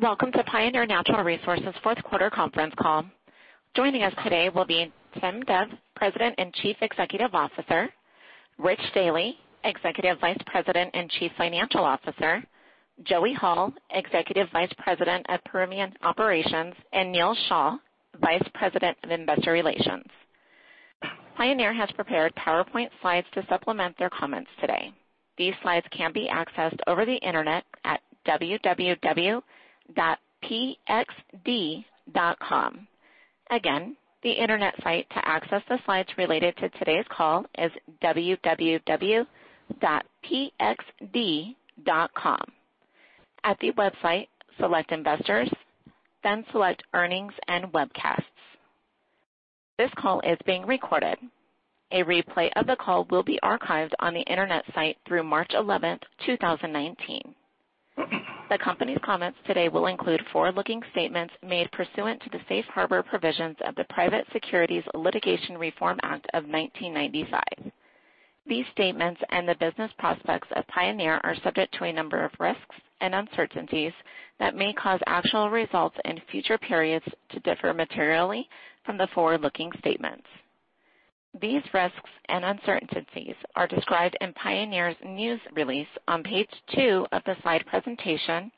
Welcome to Pioneer Natural Resources' fourth quarter conference call. Joining us today will be Timothy Dove, President and Chief Executive Officer, Richard Dealy, Executive Vice President and Chief Financial Officer, Joey Hall, Executive Vice President of Permian Operations, and Neal Shah, Vice President of Investor Relations. Pioneer has prepared PowerPoint slides to supplement their comments today. These slides can be accessed over the Internet at www.pxd.com. Again, the Internet site to access the slides related to today's call is www.pxd.com. At the website, select Investors, then select Earnings and Webcasts. This call is being recorded. A replay of the call will be archived on the Internet site through March 11, 2019. The company's comments today will include forward-looking statements made pursuant to the Safe Harbor provisions of the Private Securities Litigation Reform Act of 1995. These statements and the business prospects of Pioneer are subject to a number of risks and uncertainties that may cause actual results in future periods to differ materially from the forward-looking statements. These risks and uncertainties are described in Pioneer's news release on page two of the slide presentation,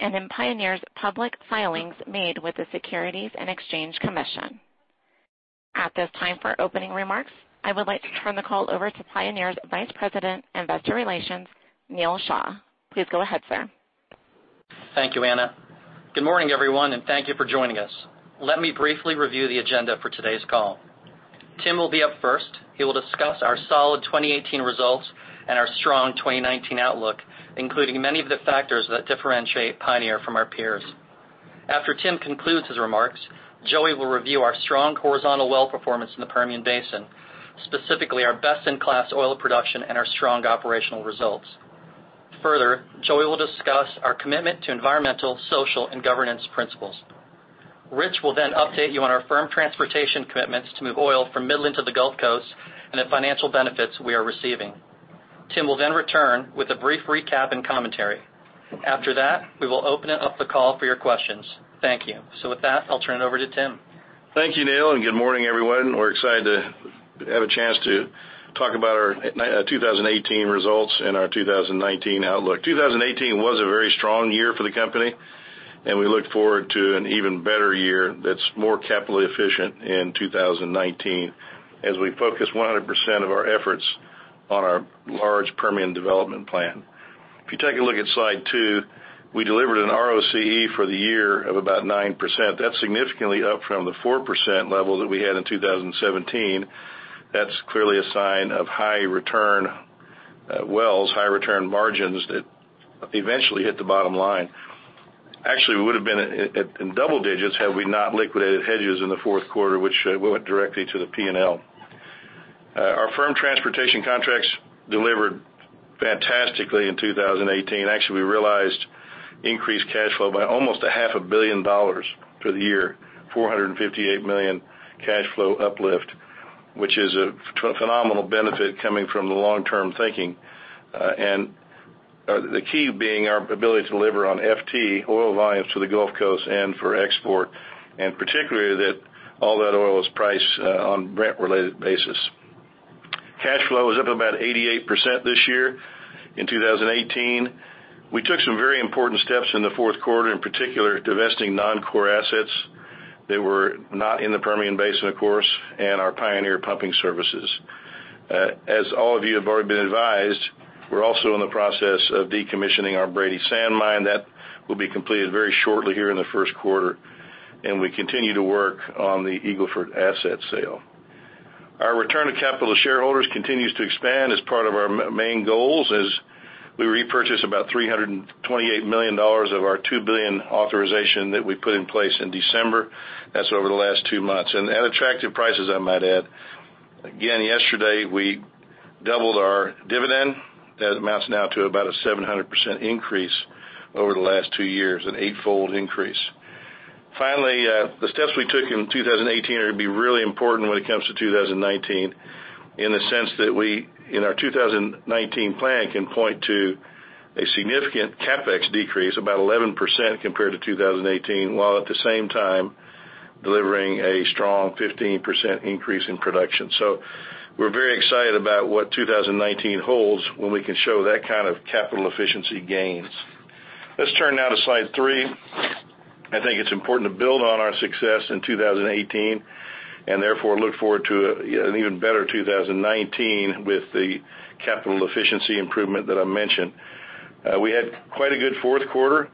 and in Pioneer's public filings made with the Securities and Exchange Commission. At this time, for opening remarks, I would like to turn the call over to Pioneer's Vice President, Investor Relations, Neal Shah. Please go ahead, sir. Thank you, Anna. Good morning, everyone, and thank you for joining us. Let me briefly review the agenda for today's call. Tim will be up first. He will discuss our solid 2018 results and our strong 2019 outlook, including many of the factors that differentiate Pioneer from our peers. After Tim concludes his remarks, Joey will review our strong horizontal well performance in the Permian Basin, specifically our best-in-class oil production and our strong operational results. Further, Joey will discuss our commitment to environmental, social, and governance principles. Rich will then update you on our firm transportation commitments to move oil from Midland to the Gulf Coast and the financial benefits we are receiving. Tim will then return with a brief recap and commentary. After that, we will open up the call for your questions. Thank you. With that, I'll turn it over to Tim. Thank you, Neal. Good morning, everyone. We're excited to have a chance to talk about our 2018 results and our 2019 outlook. 2018 was a very strong year for the company, and we look forward to an even better year that's more capitally efficient in 2019, as we focus 100% of our efforts on our large Permian development plan. If you take a look at slide two, we delivered an ROCE for the year of about 9%. That's significantly up from the 4% level that we had in 2017. That's clearly a sign of high-return wells, high-return margins that eventually hit the bottom line. Actually, we would have been in double digits had we not liquidated hedges in the fourth quarter, which went directly to the P&L. Our firm transportation contracts delivered fantastically in 2018. Actually, we realized increased cash flow by almost a half a billion dollars for the year, $458 million cash flow uplift, which is a phenomenal benefit coming from the long-term thinking. The key being our ability to deliver on FT oil volumes to the Gulf Coast and for export, particularly that all that oil is priced on Brent-related basis. Cash flow is up about 88% this year in 2018. We took some very important steps in the fourth quarter, in particular, divesting non-core assets that were not in the Permian Basin, of course, and our Pioneer Pumping Services. As all of you have already been advised, we are also in the process of decommissioning our Brady Sand Mine. That will be completed very shortly here in the first quarter, and we continue to work on the Eagle Ford asset sale. Our return to capital to shareholders continues to expand as part of our main goals as we repurchase about $328 million of our $2 billion authorization that we put in place in December. That is over the last two months. At attractive prices, I might add. Again, yesterday, we doubled our dividend. That amounts now to about a 700% increase over the last two years, an eight-fold increase. The steps we took in 2018 are going to be really important when it comes to 2019 in the sense that we, in our 2019 plan, can point to a significant CapEx decrease, about 11% compared to 2018, while at the same time delivering a strong 15% increase in production. We are very excited about what 2019 holds when we can show that kind of capital efficiency gains. Let us turn now to slide three. I think it is important to build on our success in 2018 and therefore look forward to an even better 2019 with the capital efficiency improvement that I mentioned. We had quite a good fourth quarter.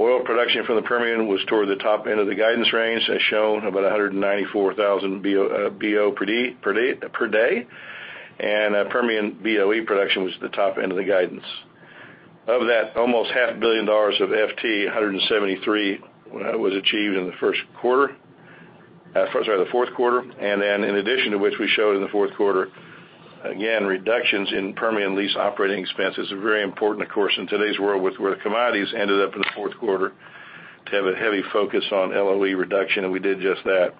Oil production from the Permian was toward the top end of the guidance range, as shown, about 194,000 BO per day. Permian BOE production was at the top end of the guidance. Of that, almost half a billion dollars of FT, $173 was achieved in the fourth quarter. In addition to which we showed in the fourth quarter, again, reductions in Permian lease operating expenses are very important, of course, in today's world, with where the commodities ended up in the fourth quarter, to have a heavy focus on LOE reduction, and we did just that.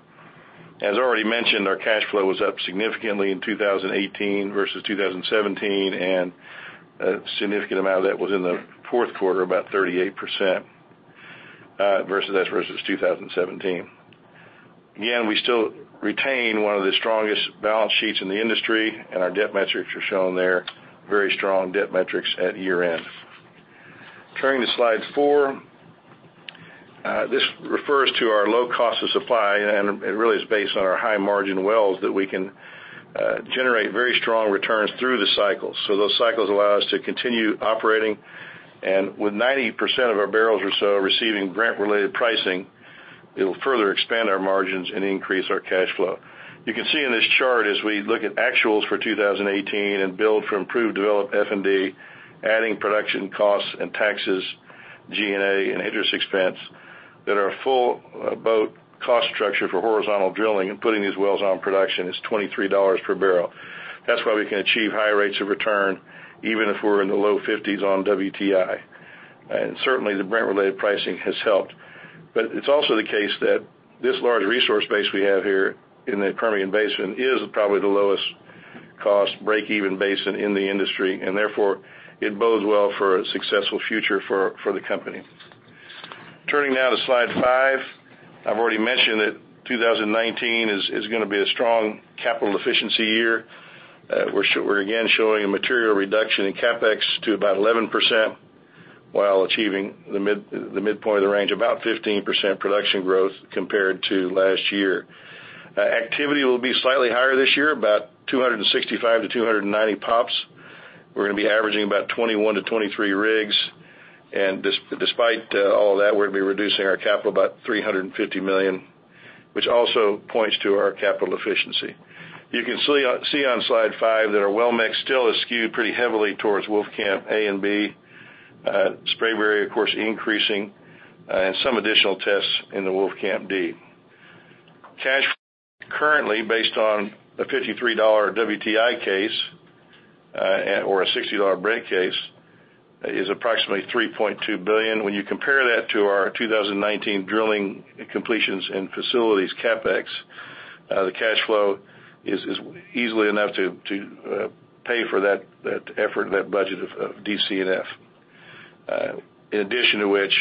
As I already mentioned, our cash flow was up significantly in 2018 versus 2017, and a significant amount of that was in the fourth quarter, about 38% that is versus 2017. Again, we still retain one of the strongest balance sheets in the industry, and our debt metrics are shown there. Very strong debt metrics at year-end. Turning to slide four. This refers to our low cost of supply, and it really is based on our high-margin wells that we can generate very strong returns through the cycles. Those cycles allow us to continue operating. With 90% of our barrels or so receiving Brent-related pricing, it'll further expand our margins and increase our cash flow. You can see in this chart as we look at actuals for 2018 and build from proved developed F&D, adding production costs and taxes, G&A, and interest expense, that our full boat cost structure for horizontal drilling and putting these wells on production is $23 per barrel. That's why we can achieve high rates of return even if we're in the low 50s on WTI. Certainly, the Brent-related pricing has helped. It's also the case that this large resource base we have here in the Permian Basin is probably the lowest cost break-even basin in the industry, therefore, it bodes well for a successful future for the company. Turning now to slide five. I've already mentioned that 2019 is going to be a strong capital efficiency year. We're again showing a material reduction in CapEx to about 11%, while achieving the midpoint of the range, about 15% production growth compared to last year. Activity will be slightly higher this year, about 265 to 290 POPs. We're going to be averaging about 21 to 23 rigs. Despite all of that, we're going to be reducing our capital by $350 million, which also points to our capital efficiency. You can see on slide five that our well mix still is skewed pretty heavily towards Wolfcamp A and B. Spraberry, of course, increasing, and some additional tests in the Wolfcamp D. Cash currently based on a $53 WTI case, or a $60 Brent case, is approximately $3.2 billion. When you compare that to our 2019 drilling completions and facilities CapEx, the cash flow is easily enough to pay for that effort and that budget of DC&F. In addition to which,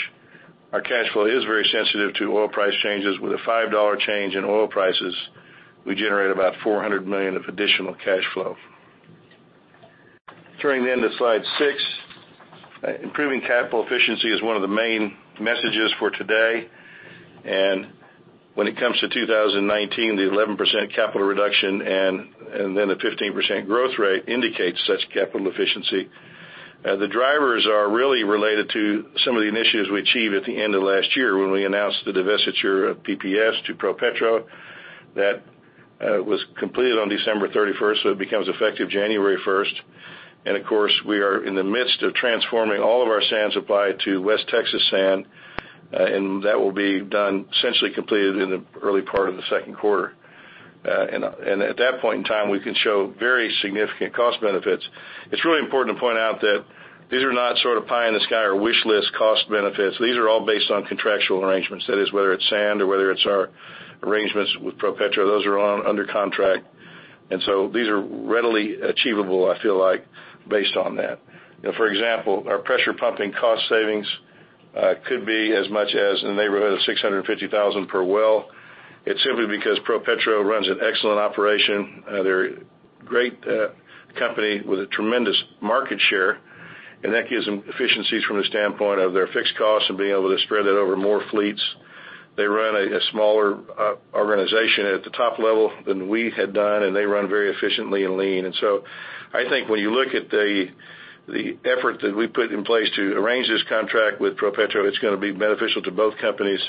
our cash flow is very sensitive to oil price changes. With a $5 change in oil prices, we generate about $400 million of additional cash flow. Turning to slide six. Improving capital efficiency is one of the main messages for today. When it comes to 2019, the 11% capital reduction and the 15% growth rate indicates such capital efficiency. The drivers are really related to some of the initiatives we achieved at the end of last year when we announced the divestiture of PPS to ProPetro. That was completed on December 31st, so it becomes effective January 1st. Of course, we are in the midst of transforming all of our sands supply to West Texas sand, that will be done, essentially completed in the early part of the second quarter. At that point in time, we can show very significant cost benefits. It's really important to point out that these are not sort of pie in the sky or wish list cost benefits. These are all based on contractual arrangements. That is, whether it's sand or whether it's our arrangements with ProPetro, those are all under contract. So these are readily achievable, I feel like, based on that. For example, our pressure pumping cost savings could be as much as in the neighborhood of $650,000 per well. It's simply because ProPetro runs an excellent operation. They're a great company with a tremendous market share, that gives them efficiencies from the standpoint of their fixed costs and being able to spread that over more fleets. They run a smaller organization at the top level than we had done, they run very efficiently and lean. I think when you look at the effort that we put in place to arrange this contract with ProPetro, it's going to be beneficial to both companies,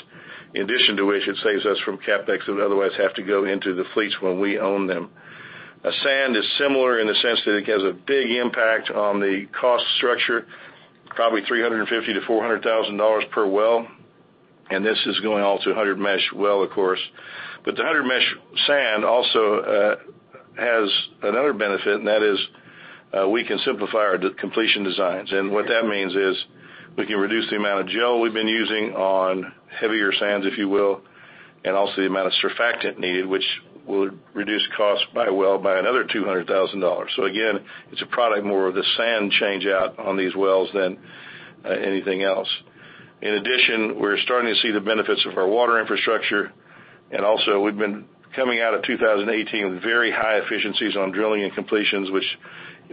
in addition to which it saves us from CapEx that would otherwise have to go into the fleets when we own them. Sand is similar in the sense that it has a big impact on the cost structure, probably $350,000-$400,000 per well, and this is going all to 100 mesh well, of course. The 100 mesh sand also has another benefit, that is we can simplify our completion designs. What that means is we can reduce the amount of gel we've been using on heavier sands, if you will, and also the amount of surfactant needed, which will reduce costs by a well by another $200,000. Again, it's a product more of the sand change-out on these wells than anything else. In addition, we're starting to see the benefits of our water infrastructure, and also we've been coming out of 2018 with very high efficiencies on drilling and completions, which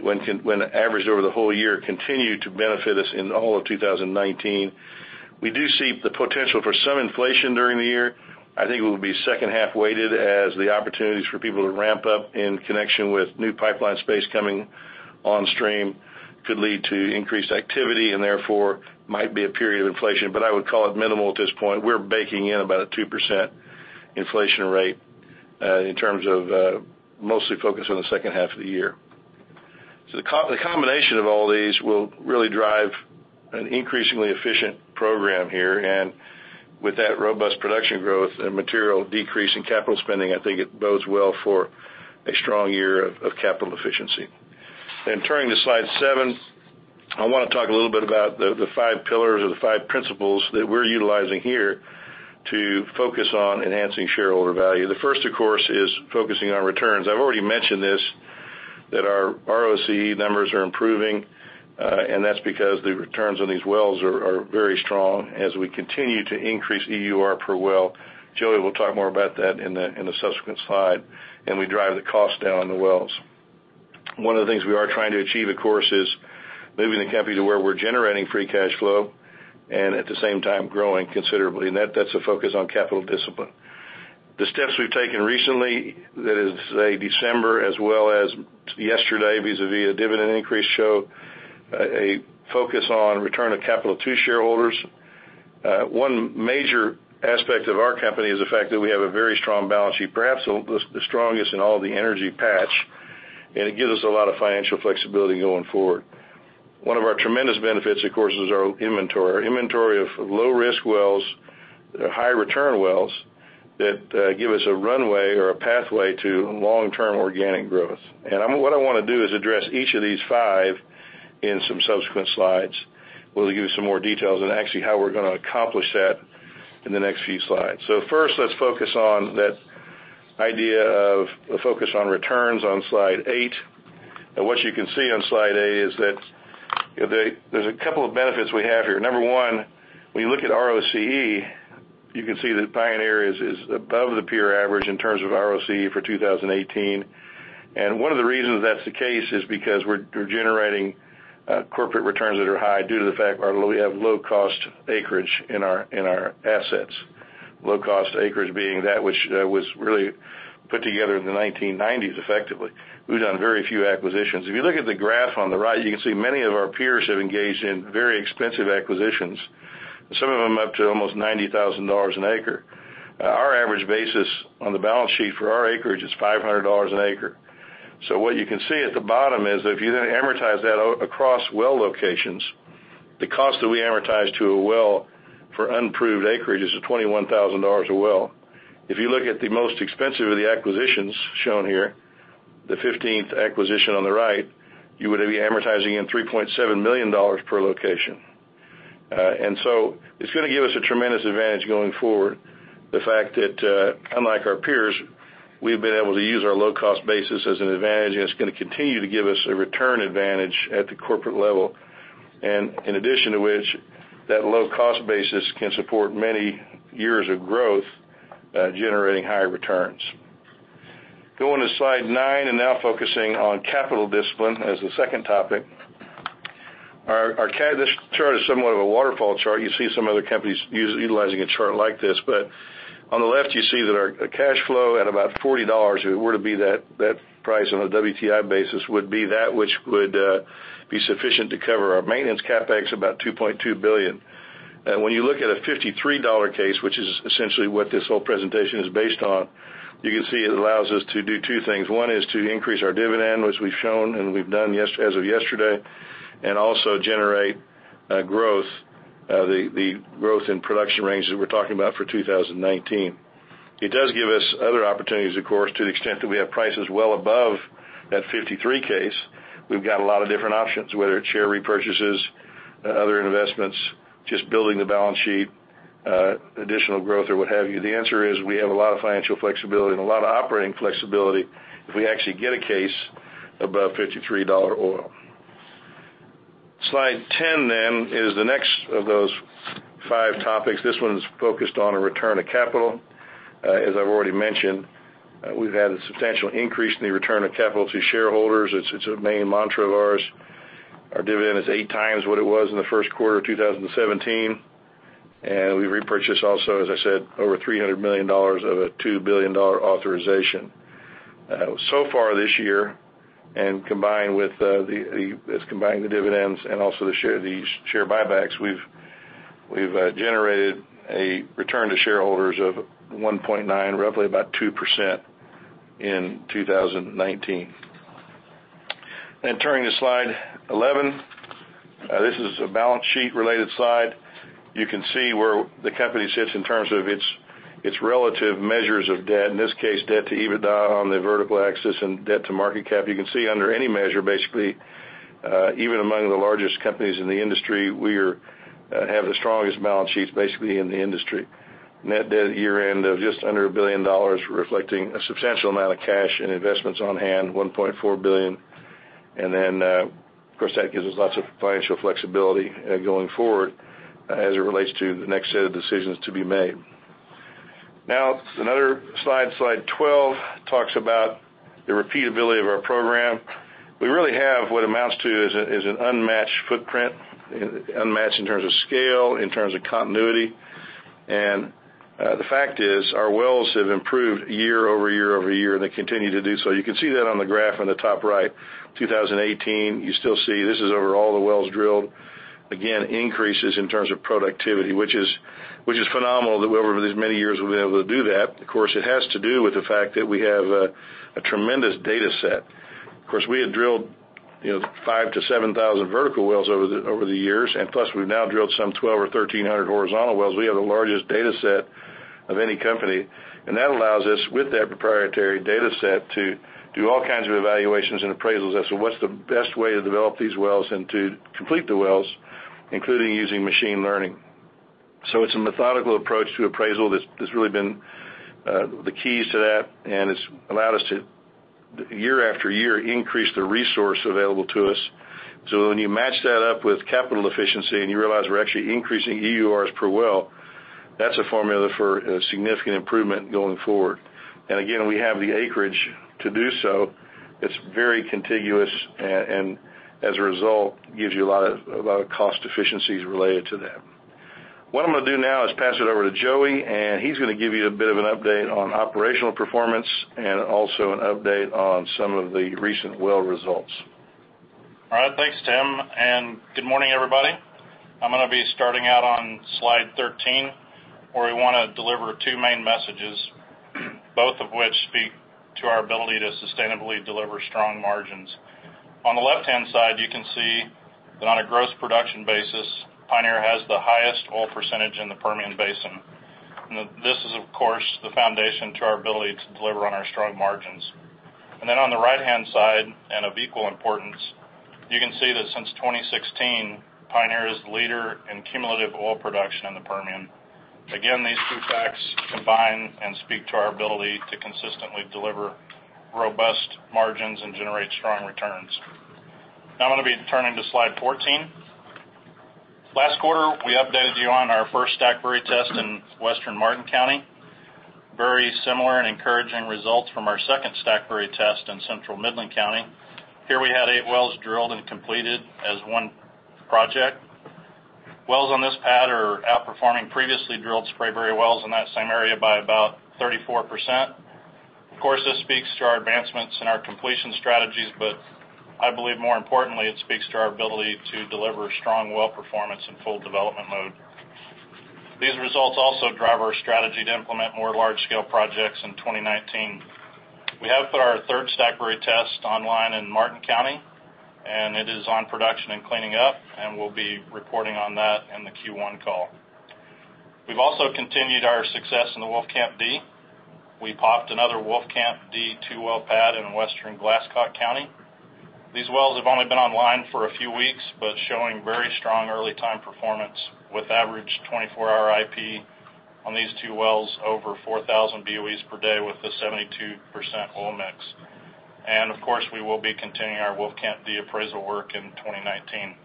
when averaged over the whole year, continue to benefit us in all of 2019. We do see the potential for some inflation during the year. I think it will be second-half weighted as the opportunities for people to ramp up in connection with new pipeline space coming on stream could lead to increased activity and therefore might be a period of inflation. I would call it minimal at this point. We're baking in about a 2% inflation rate in terms of mostly focused on the second half of the year. The combination of all these will really drive an increasingly efficient program here. With that robust production growth and material decrease in capital spending, I think it bodes well for a strong year of capital efficiency. Turning to slide seven. I want to talk a little bit about the five pillars or the five principles that we're utilizing here to focus on enhancing shareholder value. The first, of course, is focusing on returns. I've already mentioned this, that our ROCE numbers are improving, and that's because the returns on these wells are very strong as we continue to increase EUR per well. Joey will talk more about that in the subsequent slide, we drive the cost down on the wells. One of the things we are trying to achieve, of course, is moving the company to where we're generating free cash flow, and at the same time, growing considerably. That's a focus on capital discipline. The steps we've taken recently, that is to say December as well as yesterday, vis-à-vis a dividend increase show a focus on return of capital to shareholders. One major aspect of our company is the fact that we have a very strong balance sheet, perhaps the strongest in all of the energy patch, and it gives us a lot of financial flexibility going forward. What I want to do is address each of these five in some subsequent slides. We'll give you some more details on actually how we're going to accomplish that in the next few slides. First, let's focus on that idea of the focus on returns on Slide eight. What you can see on Slide eight is that there's a couple of benefits we have here. Number one, when you look at ROCE, you can see that Pioneer is above the peer average in terms of ROCE for 2018. One of the reasons that's the case is because we're generating corporate returns that are high due to the fact we have low cost acreage in our assets. Low cost acreage being that which was really put together in the 1990s effectively. We've done very few acquisitions. If you look at the graph on the right, you can see many of our peers have engaged in very expensive acquisitions, some of them up to almost $90,000 an acre. Our average basis on the balance sheet for our acreage is $500 an acre. What you can see at the bottom is that if you then amortize that across well locations, the cost that we amortize to a well for unproved acreage is $21,000 a well. If you look at the most expensive of the acquisitions shown here, the 15th acquisition on the right, you would be amortizing in $3.7 million per location. It's going to give us a tremendous advantage going forward, the fact that, unlike our peers, we've been able to use our low-cost basis as an advantage, and it's going to continue to give us a return advantage at the corporate level. In addition to which, that low cost basis can support many years of growth, generating higher returns. Going to Slide nine, and now focusing on capital discipline as the second topic. This chart is somewhat of a waterfall chart. You see some other companies utilizing a chart like this. On the left, you see that our cash flow at about $40, if it were to be that price on a WTI basis, would be that which would be sufficient to cover our maintenance CapEx, about $2.2 billion. When you look at a $53 case, which is essentially what this whole presentation is based on, you can see it allows us to do two things. One is to increase our dividend, which we've shown and we've done as of yesterday, and also generate growth, the growth in production ranges we're talking about for 2019. It does give us other opportunities, of course. To the extent that we have prices well above that 53 case, we've got a lot of different options, whether it's share repurchases, other investments, just building the balance sheet, additional growth or what have you. The answer is we have a lot of financial flexibility and a lot of operating flexibility if we actually get a case above $53 oil. Slide 10 is the next of those five topics. This one's focused on a return of capital. As I've already mentioned, we've had a substantial increase in the return of capital to shareholders. It's a main mantra of ours. Our dividend is eight times what it was in the first quarter of 2017. We've repurchased also, as I said, over $300 million of a $2 billion authorization. So far this year, combining the dividends and also the share buybacks, we've generated a return to shareholders of 1.9%, roughly about 2% in 2019. Turning to slide 11. This is a balance sheet related slide. You can see where the company sits in terms of its relative measures of debt, in this case, debt to EBITDA on the vertical axis and debt to market cap. You can see under any measure, basically, even among the largest companies in the industry, we have the strongest balance sheets basically in the industry. Net debt at year-end of just under $1 billion, reflecting a substantial amount of cash and investments on hand, $1.4 billion. Then, of course, that gives us lots of financial flexibility going forward as it relates to the next set of decisions to be made. Now, another slide 12, talks about the repeatability of our program. We really have what amounts to is an unmatched footprint, unmatched in terms of scale, in terms of continuity. The fact is our wells have improved year-over-year over year, and they continue to do so. You can see that on the graph on the top right. 2018, you still see this is over all the wells drilled. Again, increases in terms of productivity, which is phenomenal that over these many years, we've been able to do that. Of course, it has to do with the fact that we have a tremendous data set. Of course, we had drilled 5,000 to 7,000 vertical wells over the years, plus we've now drilled some 12 or 1,300 horizontal wells. We have the largest data set of any company. That allows us, with that proprietary data set, to do all kinds of evaluations and appraisals as to what's the best way to develop these wells and to complete the wells, including using machine learning. It's a methodical approach to appraisal that's really been the keys to that, and it's allowed us to, year after year, increase the resource available to us. When you match that up with capital efficiency and you realize we're actually increasing EURs per well, that's a formula for a significant improvement going forward. Again, we have the acreage to do so. It's very contiguous, as a result, gives you a lot of cost efficiencies related to that. What I'm going to do now is pass it over to Joey, he's going to give you a bit of an update on operational performance and also an update on some of the recent well results. All right. Thanks, Tim, and good morning, everybody. I'm going to be starting out on slide 13, where we want to deliver two main messages, both of which speak to our ability to sustainably deliver strong margins. On the left-hand side, you can see that on a gross production basis, Pioneer has the highest oil percentage in the Permian Basin. That this is, of course, the foundation to our ability to deliver on our strong margins. On the right-hand side, and of equal importance, you can see that since 2016, Pioneer is the leader in cumulative oil production in the Permian. Again, these two facts combine and speak to our ability to consistently deliver robust margins and generate strong returns. Now I'm going to be turning to slide 14. Last quarter, we updated you on our first Stackberry test in Western Martin County. Very similar and encouraging results from our second Stackberry test in central Midland County. Here we had eight wells drilled and completed as one project. Wells on this pad are outperforming previously drilled Spraberry wells in that same area by about 34%. Of course, this speaks to our advancements in our completion strategies, but I believe more importantly, it speaks to our ability to deliver strong well performance in full development mode. These results also drive our strategy to implement more large-scale projects in 2019. We have put our third Stackberry test online in Martin County, and it is on production and cleaning up, and we'll be reporting on that in the Q1 call. We've also continued our success in the Wolfcamp D. We popped another Wolfcamp D two-well pad in western Glasscock County. These wells have only been online for a few weeks, but showing very strong early time performance, with average 24-hour IP on these two wells over 4,000 BOEs per day with a 72% oil mix. Of course, we will be continuing our Wolfcamp D appraisal work in 2019.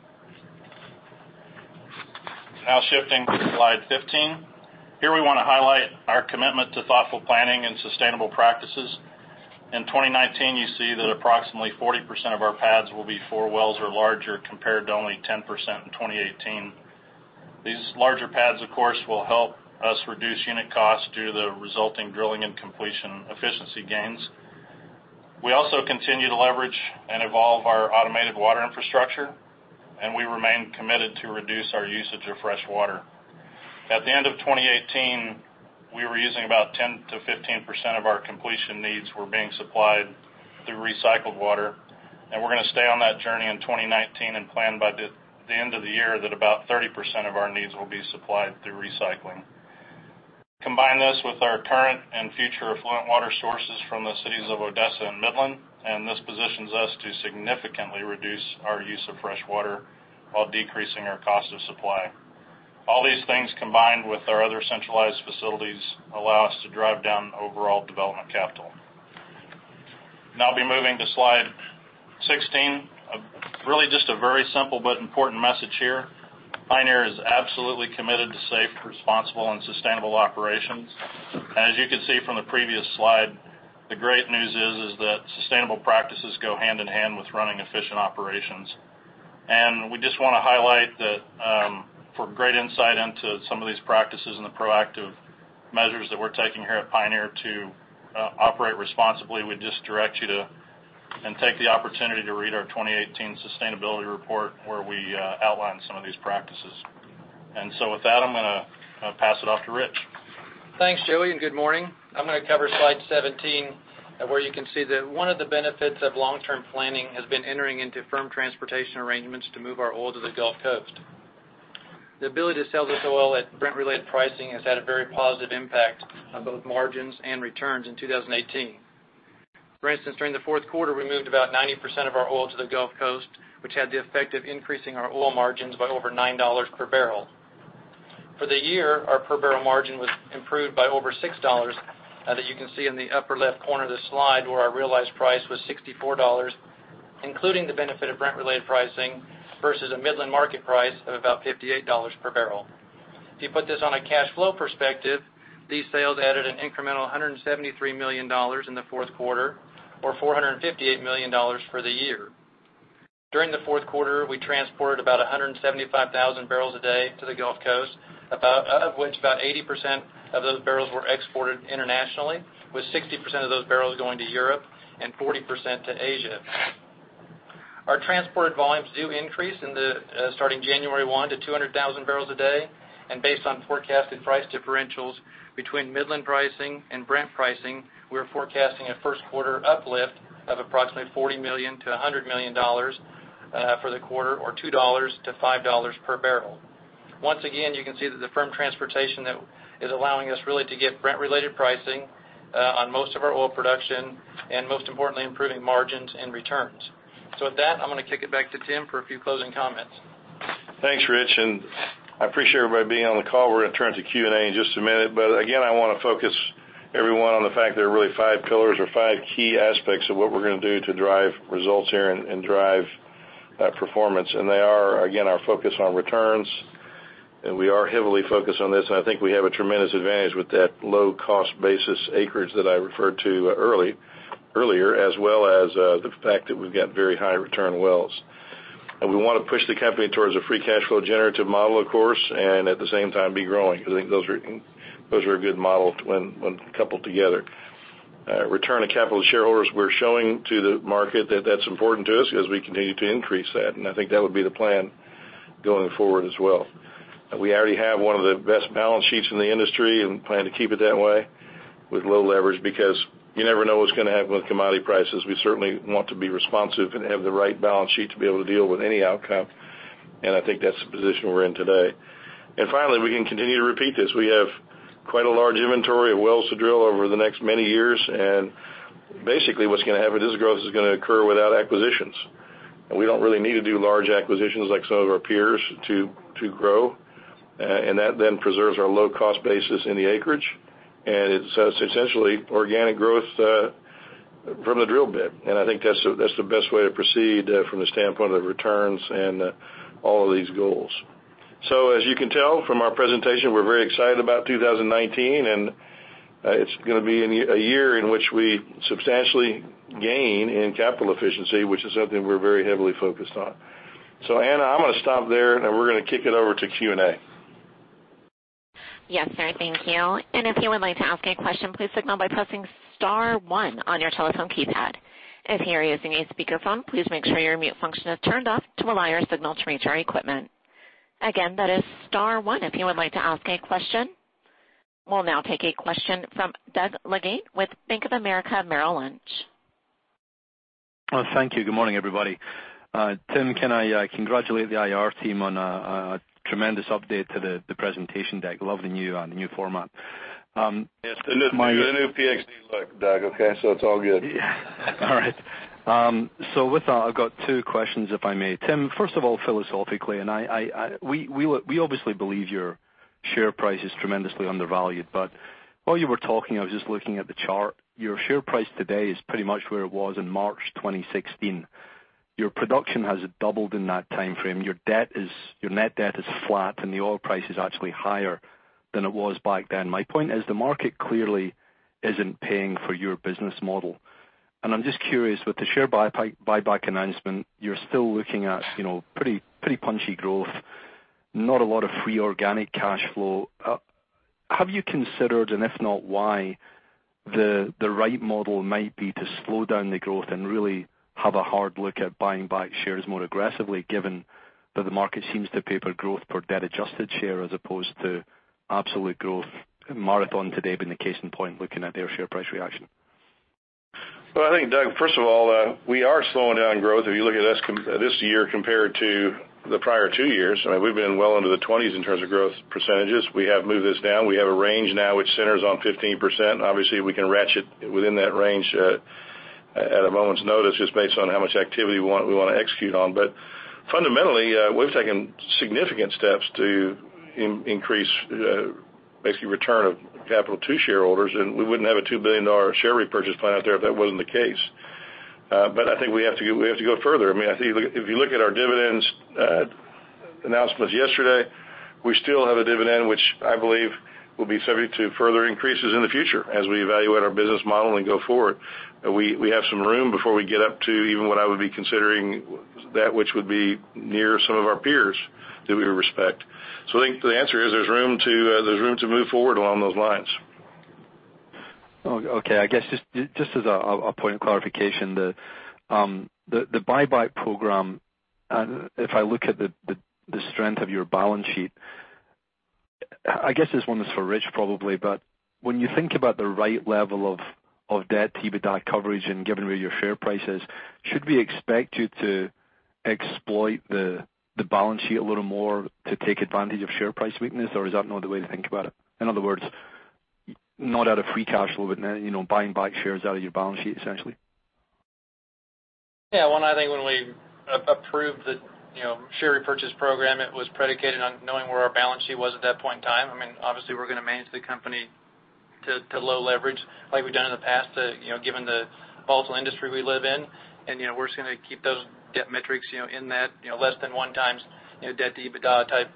Now shifting to slide 15. Here we want to highlight our commitment to thoughtful planning and sustainable practices. In 2019, you see that approximately 40% of our pads will be four wells or larger, compared to only 10% in 2018. These larger pads, of course, will help us reduce unit costs due to the resulting drilling and completion efficiency gains. We also continue to leverage and evolve our automated water infrastructure, and we remain committed to reduce our usage of fresh water. At the end of 2018, we were using about 10%-15% of our completion needs were being supplied through recycled water, and we're going to stay on that journey in 2019 and plan by the end of the year that about 30% of our needs will be supplied through recycling. Combine this with our current and future effluent water sources from the cities of Odessa and Midland, and this positions us to significantly reduce our use of fresh water while decreasing our cost of supply. All these things combined with our other centralized facilities allow us to drive down overall development capital. Now I'll be moving to slide 16. Really just a very simple but important message here. Pioneer is absolutely committed to safe, responsible, and sustainable operations. As you can see from the previous slide, the great news is that sustainable practices go hand-in-hand with running efficient operations. We just want to highlight that for great insight into some of these practices and the proactive measures that we're taking here at Pioneer to operate responsibly, we'd just direct you to and take the opportunity to read our 2018 sustainability report, where we outline some of these practices. With that, I'm going to pass it off to Rich. Thanks, Joey, and good morning. I'm going to cover slide 17, where you can see that one of the benefits of long-term planning has been entering into firm transportation arrangements to move our oil to the Gulf Coast. The ability to sell this oil at Brent-related pricing has had a very positive impact on both margins and returns in 2018. For instance, during the fourth quarter, we moved about 90% of our oil to the Gulf Coast, which had the effect of increasing our oil margins by over $9 per barrel. For the year, our per-barrel margin was improved by over $6, as you can see in the upper left corner of the slide where our realized price was $64, including the benefit of Brent-related pricing versus a Midland market price of about $58 per barrel. If you put this on a cash flow perspective, these sales added an incremental $173 million in the fourth quarter or $458 million for the year. During the fourth quarter, we transported about 175,000 barrels a day to the Gulf Coast, of which about 80% of those barrels were exported internationally, with 60% of those barrels going to Europe and 40% to Asia. Our transported volumes do increase starting January 1 to 200,000 barrels a day, based on forecasted price differentials between Midland pricing and Brent pricing, we are forecasting a first quarter uplift of approximately $40 million to $100 million for the quarter or $2 to $5 per barrel. Once again, you can see that the firm transportation that is allowing us really to get Brent-related pricing on most of our oil production, and most importantly, improving margins and returns. With that, I'm going to kick it back to Tim for a few closing comments. Thanks, Rich. I appreciate everybody being on the call. We're going to turn to Q&A in just a minute. Again, I want to focus everyone on the fact there are really five pillars or five key aspects of what we're going to do to drive results here and drive performance. They are, again, our focus on returns. We are heavily focused on this. I think we have a tremendous advantage with that low-cost basis acreage that I referred to earlier, as well as the fact that we've got very high return wells. We want to push the company towards a free cash flow generative model, of course, and at the same time be growing. I think those are a good model when coupled together. Return of capital to shareholders, we're showing to the market that that's important to us as we continue to increase that. I think that would be the plan going forward as well. We already have one of the best balance sheets in the industry and plan to keep it that way with low leverage because you never know what's going to happen with commodity prices. We certainly want to be responsive and have the right balance sheet to be able to deal with any outcome. I think that's the position we're in today. Finally, we can continue to repeat this. We have quite a large inventory of wells to drill over the next many years. Basically, what's going to happen is growth is going to occur without acquisitions. We don't really need to do large acquisitions like some of our peers to grow. That then preserves our low-cost basis in the acreage. It's essentially organic growth from the drill bit. I think that's the best way to proceed from the standpoint of returns and all of these goals. As you can tell from our presentation, we're very excited about 2019. It's going to be a year in which we substantially gain in capital efficiency, which is something we're very heavily focused on. Anna, I'm going to stop there. We're going to kick it over to Q&A. Yes, sir. Thank you. If you would like to ask a question, please signal by pressing star one on your telephone keypad. If you are using a speakerphone, please make sure your mute function is turned off to allow your signal to reach our equipment. Again, that is star one if you would like to ask a question. We'll now take a question from Doug Leggate with Bank of America Merrill Lynch. Thank you. Good morning, everybody. Tim, can I congratulate the IR team on a tremendous update to the presentation deck? Love the new format. Yes. You got a new PhD look, Doug. Okay, it's all good. All right. With that, I've got two questions, if I may. Tim, first of all, philosophically, we obviously believe your share price is tremendously undervalued, while you were talking, I was just looking at the chart. Your share price today is pretty much where it was in March 2016. Your production has doubled in that timeframe. Your net debt is flat, the oil price is actually higher than it was back then. My point is the market clearly isn't paying for your business model. I'm just curious, with the share buyback announcement, you're still looking at pretty punchy growth, not a lot of free organic cash flow. Have you considered, if not, why the right model might be to slow down the growth and really have a hard look at buying back shares more aggressively, given that the market seems to pay for growth per debt adjusted share as opposed to absolute growth? Marathon today being the case in point, looking at their share price reaction. Well, I think Doug, first of all, we are slowing down growth. If you look at this year compared to the prior two years, we've been well into the 20s in terms of growth %. We have moved this down. We have a range now which centers on 15%. Obviously, we can ratchet within that range at a moment's notice just based on how much activity we want to execute on. Fundamentally, we've taken significant steps to increase basically return of capital to shareholders, and we wouldn't have a $2 billion share repurchase plan out there if that wasn't the case. I think we have to go further. If you look at our dividends announcements yesterday, we still have a dividend, which I believe will be subject to further increases in the future as we evaluate our business model and go forward. We have some room before we get up to even what I would be considering that which would be near some of our peers that we respect. I think the answer is there's room to move forward along those lines. Okay. I guess just as a point of clarification, the buyback program, if I look at the strength of your balance sheet, I guess this one is for Rich probably, when you think about the right level of debt to EBITDA coverage and given where your share price is, should we expect you to exploit the balance sheet a little more to take advantage of share price weakness? Is that not the way to think about it? In other words, not out of free cash flow, but buying back shares out of your balance sheet, essentially. Yeah. I think when we approved the share repurchase program, it was predicated on knowing where our balance sheet was at that point in time. Obviously, we're going to manage the company to low leverage like we've done in the past given the volatile industry we live in. We're just going to keep those debt metrics in that less than one times net debt to EBITDA type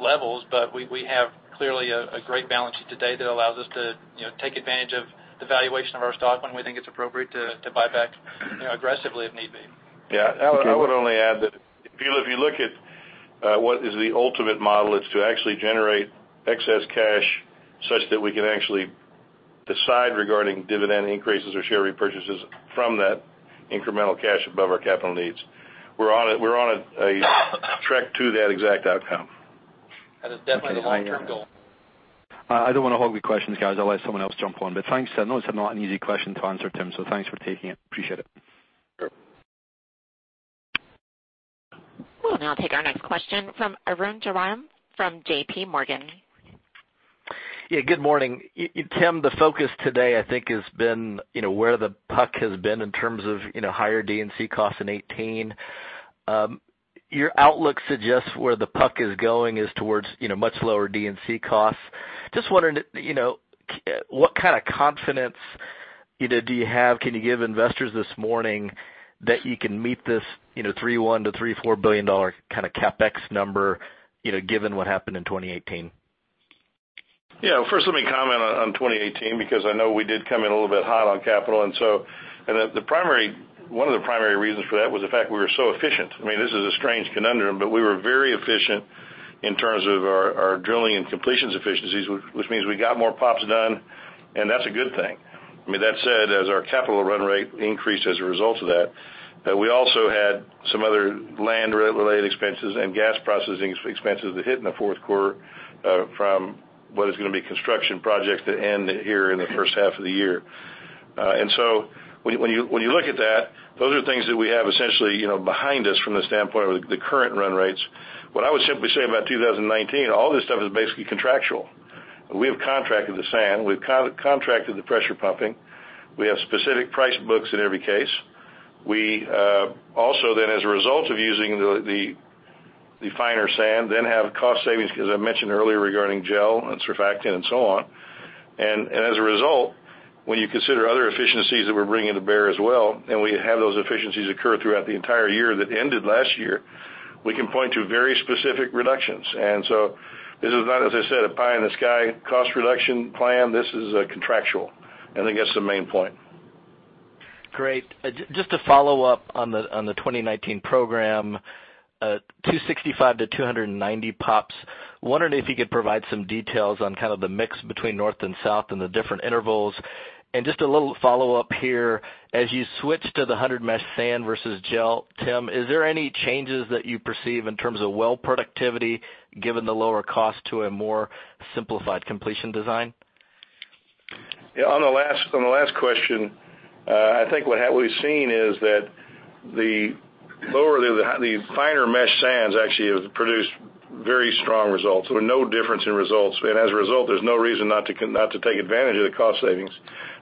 levels. We have clearly a great balance sheet today that allows us to take advantage of the valuation of our stock when we think it's appropriate to buy back aggressively if need be. Yeah. I would only add that if you look at what is the ultimate model, it's to actually generate excess cash such that we can actually decide regarding dividend increases or share repurchases from that incremental cash above our capital needs. We're on a trek to that exact outcome. That is definitely the long-term goal. I don't want to hog the questions, guys. I'll let someone else jump on. Thanks. I know it's not an easy question to answer, Tim, thanks for taking it. Appreciate it. Sure. We'll now take our next question from Arun Jayaram from J.P. Morgan. Yeah, good morning. Tim, the focus today, I think, has been where the puck has been in terms of higher D&C costs in 2018. Your outlook suggests where the puck is going is towards much lower D&C costs. Just wondering, what kind of confidence do you have? Can you give investors this morning that you can meet this $3.1 billion-$3.4 billion CapEx number, given what happened in 2018? Yeah. First, let me comment on 2018, because I know we did come in a little bit hot on capital. One of the primary reasons for that was the fact we were so efficient. This is a strange conundrum, but we were very efficient in terms of our drilling and completions efficiencies, which means we got more POPs done, and that's a good thing. That said, as our capital run rate increased as a result of that, we also had some other land-related expenses and gas processing expenses that hit in the fourth quarter from what is going to be construction projects that end here in the first half of the year. When you look at that, those are things that we have essentially behind us from the standpoint of the current run rates. What I would simply say about 2019, all this stuff is basically contractual. We have contracted the sand, we've contracted the pressure pumping. We have specific price books in every case. We also then, as a result of using the finer sand, then have cost savings, as I mentioned earlier, regarding gel and surfactant and so on. As a result, when you consider other efficiencies that we're bringing to bear as well, and we have those efficiencies occur throughout the entire year that ended last year, we can point to very specific reductions. This is not, as I said, a pie in the sky cost reduction plan. This is contractual. I think that's the main point. Great. Just to follow up on the 2019 program, 265 to 290 POPs. Wondering if you could provide some details on kind of the mix between north and south and the different intervals. Just a little follow-up here, as you switch to the 100 mesh sand versus gel, Tim, is there any changes that you perceive in terms of well productivity, given the lower cost to a more simplified completion design? Yeah, on the last question, I think what we've seen is that the finer mesh sands actually have produced very strong results. There were no difference in results. There's no reason not to take advantage of the cost savings.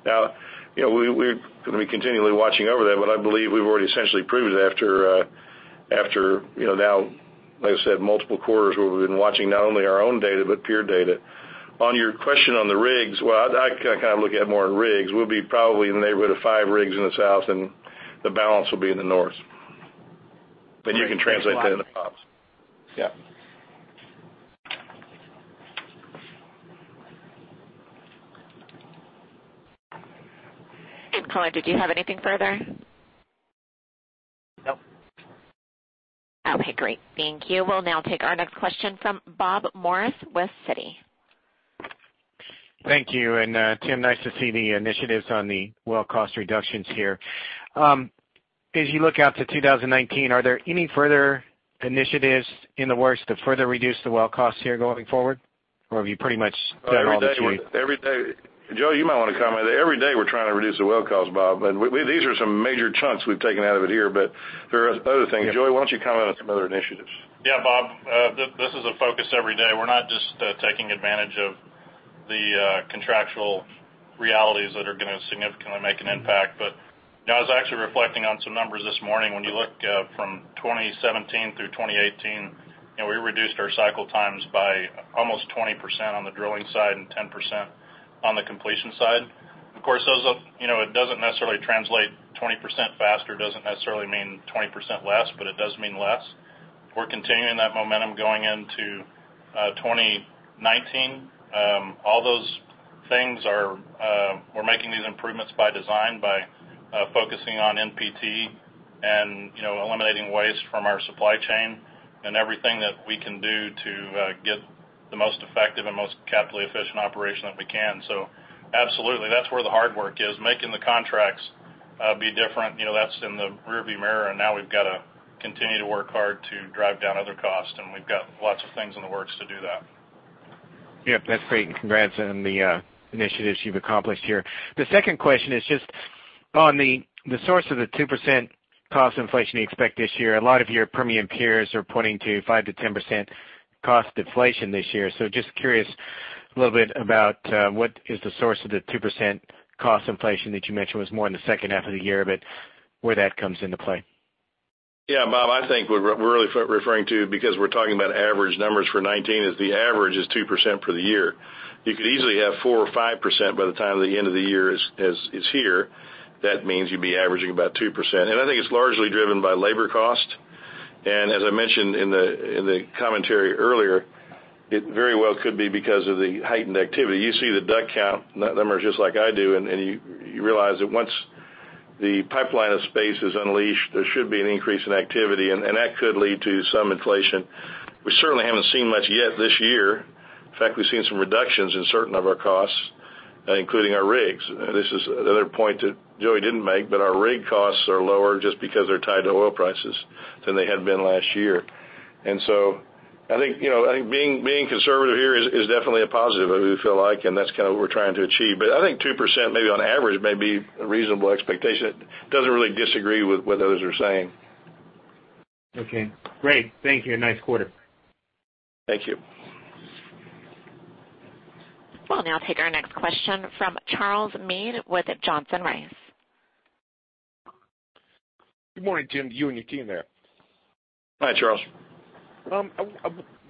Now, we're going to be continually watching over that, but I believe we've already essentially proved it after, now, like I said, multiple quarters where we've been watching not only our own data, but peer data. On your question on the rigs, well, I kind of look at it more in rigs. We'll be probably in the neighborhood of five rigs in the south, and the balance will be in the north. You can translate that into POPs. Yeah. Neal, did you have anything further? Nope. Okay, great. Thank you. We'll now take our next question from Bob Morris with Citi. Thank you. Tim, nice to see the initiatives on the well cost reductions here. As you look out to 2019, are there any further initiatives in the works to further reduce the well costs here going forward? Or have you pretty much done all that you need? Joey, you might want to comment. Every day we're trying to reduce the well cost, Bob, and these are some major chunks we've taken out of it here, but there are other things. Joey, why don't you comment on some other initiatives? Yeah, Bob, this is a focus every day. We're not just taking advantage of the contractual realities that are going to significantly make an impact. I was actually reflecting on some numbers this morning. When you look from 2017 through 2018, we reduced our cycle times by almost 20% on the drilling side and 10% on the completion side. Of course, it doesn't necessarily translate 20% faster, doesn't necessarily mean 20% less, but it does mean less. We're continuing that momentum going into 2019. We're making these improvements by design, by focusing on NPT and eliminating waste from our supply chain and everything that we can do to get the most effective and most capitally efficient operation that we can. Absolutely. That's where the hard work is. Making the contracts be different, that's in the rearview mirror, and now we've got to continue to work hard to drive down other costs, and we've got lots of things in the works to do that. Yeah, that's great, congrats on the initiatives you've accomplished here. The second question is just on the source of the 2% cost inflation you expect this year. A lot of your premium peers are pointing to 5%-10% cost deflation this year. Just curious a little bit about what is the source of the 2% cost inflation that you mentioned was more in the second half of the year, but where that comes into play. Yeah, Bob, I think what we're really referring to, because we're talking about average numbers for 2019, is the average is 2% for the year. You could easily have 4% or 5% by the time the end of the year is here. That means you'd be averaging about 2%. I think it's largely driven by labor cost. As I mentioned in the commentary earlier, it very well could be because of the heightened activity. You see the DUC count numbers just like I do, and you realize that once the pipeline of space is unleashed, there should be an increase in activity, and that could lead to some inflation. We certainly haven't seen much yet this year. In fact, we've seen some reductions in certain of our costs including our rigs. This is another point that Joey didn't make, our rig costs are lower just because they're tied to oil prices than they had been last year. I think being conservative here is definitely a positive, we feel like, and that's kind of what we're trying to achieve. I think 2% maybe on average, may be a reasonable expectation. It doesn't really disagree with what others are saying. Okay, great. Thank you. Nice quarter. Thank you. We'll now take our next question from Charles Meade with Johnson Rice. Good morning, Tim, to you and your team there. Hi, Charles.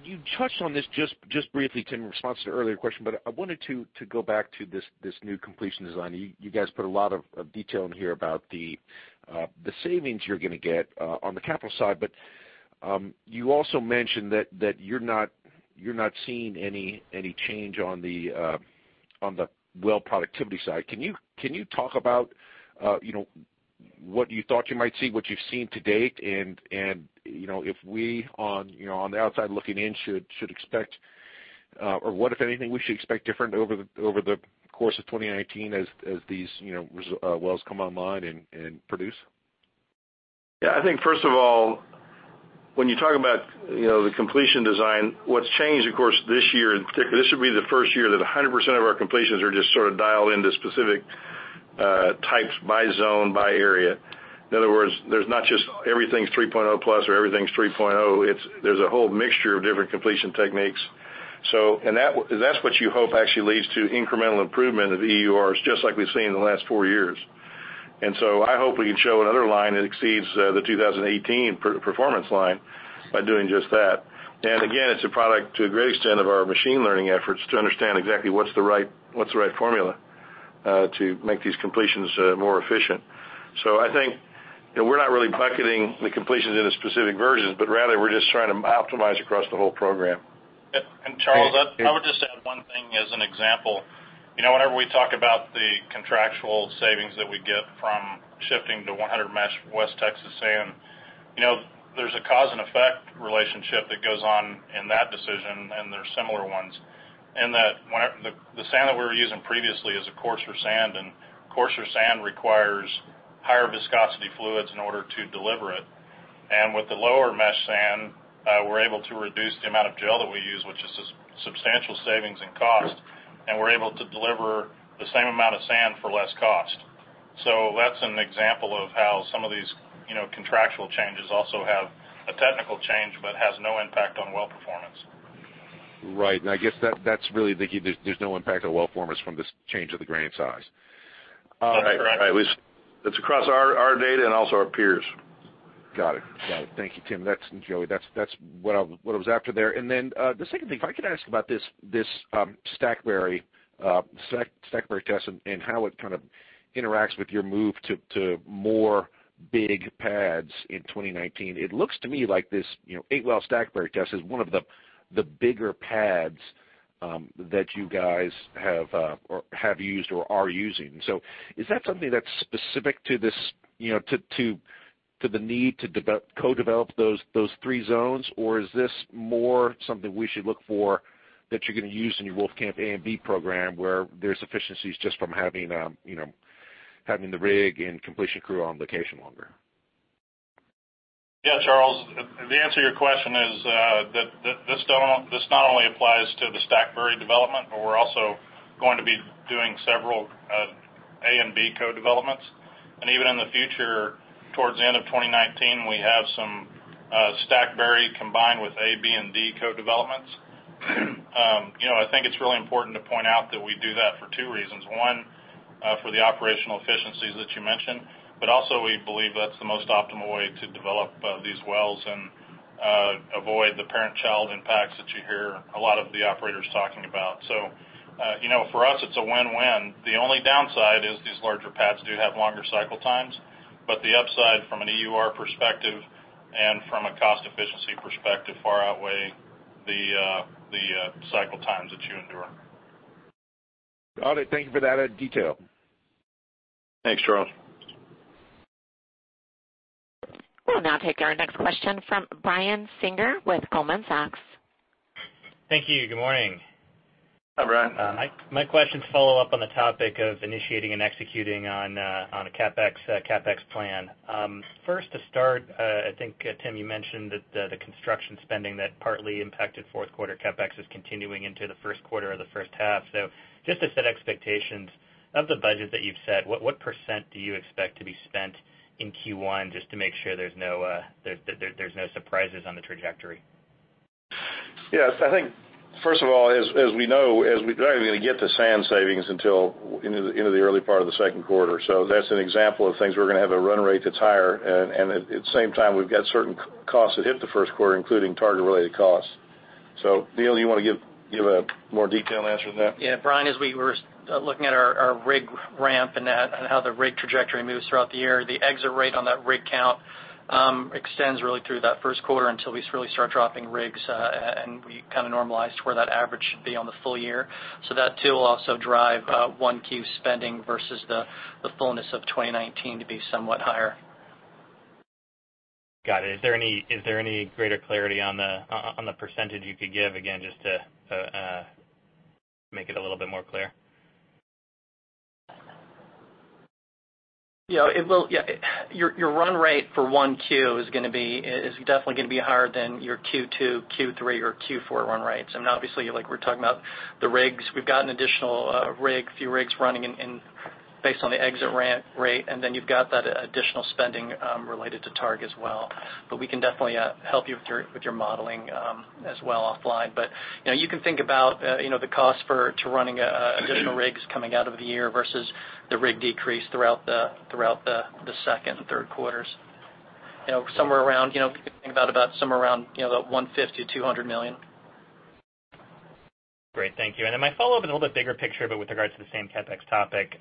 You touched on this just briefly, Tim, in response to an earlier question. I wanted to go back to this new completion design. You guys put a lot of detail in here about the savings you're going to get on the capital side. You also mentioned that you're not seeing any change on the well productivity side. Can you talk about what you thought you might see, what you've seen to date, and if we on the outside looking in should expect, or what, if anything, we should expect different over the course of 2019 as these wells come online and produce? Yeah. I think, first of all, when you talk about the completion design, what's changed, of course, this year in particular, this should be the first year that 100% of our completions are just sort of dialed into specific types by zone, by area. In other words, there's not just everything's 3.0 plus or everything's 3.0. There's a whole mixture of different completion techniques. That's what you hope actually leads to incremental improvement of the EURs, just like we've seen in the last four years. I hope we can show another line that exceeds the 2018 performance line by doing just that. Again, it's a product, to a great extent, of our machine learning efforts to understand exactly what's the right formula to make these completions more efficient. I think that we are not really bucketing the completions into specific versions, but rather we are just trying to optimize across the whole program. Charles, I would just add one thing as an example. Whenever we talk about the contractual savings that we get from shifting to 100 mesh West Texas sand, there is a cause and effect relationship that goes on in that decision, and there is similar ones, in that the sand that we were using previously is a coarser sand, and coarser sand requires higher viscosity fluids in order to deliver it. With the lower mesh sand, we are able to reduce the amount of gel that we use, which is a substantial savings in cost, and we are able to deliver the same amount of sand for less cost. That is an example of how some of these contractual changes also have a technical change, but has no impact on well performance. Right. I guess that is really thinking there is no impact on well performance from this change of the grain size. Right. At least it is across our data and also our peers. Got it. Thank you, Tim and Joey. That's what I was after there. The second thing, if I could ask about this Stackberry test and how it kind of interacts with your move to more big pads in 2019. It looks to me like this eight-well Stackberry test is one of the bigger pads that you guys have used or are using. Is that something that's specific to the need to co-develop those three zones? Or is this more something we should look for that you're going to use in your Wolfcamp A and B program, where there's efficiencies just from having the rig and completion crew on location longer? Yeah, Charles, the answer to your question is that this not only applies to the Stackberry development, but we're also going to be doing several A and B co-developments. Even in the future, towards the end of 2019, we have some Stackberry combined with A, B, and D co-developments. I think it's really important to point out that we do that for two reasons. One, for the operational efficiencies that you mentioned. Also, we believe that's the most optimal way to develop these wells and avoid the parent-child impacts that you hear a lot of the operators talking about. For us, it's a win-win. The only downside is these larger pads do have longer cycle times, but the upside from an EUR perspective and from a cost efficiency perspective far outweigh the cycle times that you endure. Got it. Thank you for that detail. Thanks, Charles. We'll now take our next question from Brian Singer with Goldman Sachs. Thank you. Good morning. Hi, Brian. My question's a follow-up on the topic of initiating and executing on a CapEx plan. First to start, I think, Tim, you mentioned that the construction spending that partly impacted fourth quarter CapEx is continuing into the first quarter or the first half. Just to set expectations, of the budget that you've set, what % do you expect to be spent in Q1 just to make sure there's no surprises on the trajectory? Yes. I think, first of all, as we know, we're not even going to get the sand savings until into the early part of the second quarter. That's an example of things we're going to have a run rate that's higher, and at the same time, we've got certain costs that hit the first quarter, including Targa-related costs. Neal, do you want to give a more detailed answer to that? Yeah. Brian, as we were looking at our rig ramp and how the rig trajectory moves throughout the year, the exit rate on that rig count extends really through that first quarter until we really start dropping rigs, and we kind of normalize to where that average should be on the full year. That too will also drive 1Q spending versus the fullness of 2019 to be somewhat higher. Got it. Is there any greater clarity on the percentage you could give again just to make it a little bit more clear? Your run rate for 1Q is definitely going to be higher than your Q2, Q3, or Q4 run rates. Obviously, we're talking about the rigs. We've got an additional few rigs running based on the exit ramp rate, and then you've got that additional spending related to Targa as well. We can definitely help you with your modeling as well offline. You can think about the cost to running additional rigs coming out of the year versus the rig decrease throughout the second and third quarters. If you think about somewhere around the $150 million-$200 million. Great. Thank you. My follow-up on a little bit bigger picture, but with regards to the same CapEx topic.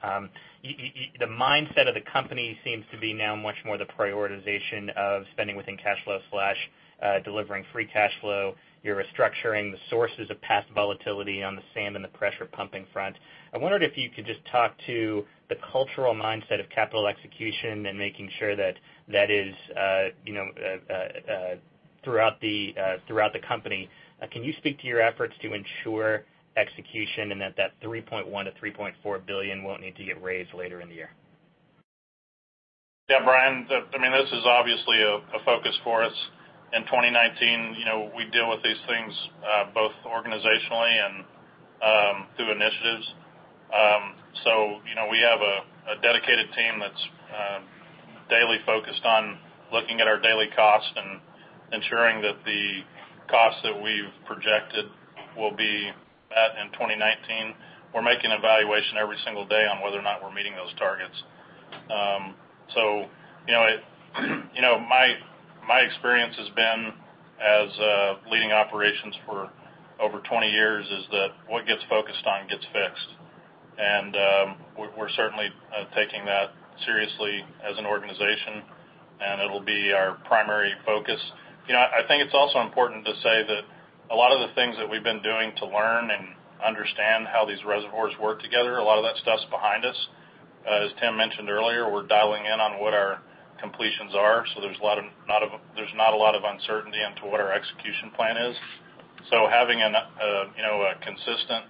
The mindset of the company seems to be now much more the prioritization of spending within cash flow/delivering free cash flow. You're restructuring the sources of past volatility on the sand and the pressure pumping front. I wondered if you could just talk to the cultural mindset of capital execution and making sure that that is throughout the company. Can you speak to your efforts to ensure execution and that that $3.1 billion-$3.4 billion won't need to get raised later in the year? Brian. This is obviously a focus for us in 2019. We deal with these things both organizationally and through initiatives. We have a dedicated team that's daily focused on looking at our daily costs and ensuring that the costs that we've projected we'll be at in 2019. We're making evaluation every single day on whether or not we're meeting those targets. My experience has been, as leading operations for over 20 years, is that what gets focused on gets fixed. We're certainly taking that seriously as an organization, and it'll be our primary focus. I think it's also important to say that a lot of the things that we've been doing to learn and understand how these reservoirs work together, a lot of that stuff's behind us. As Tim mentioned earlier, we're dialing in on what our completions are, there's not a lot of uncertainty into what our execution plan is. Having a consistent